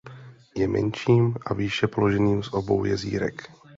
Je menším a výše položeným z obou jezírek.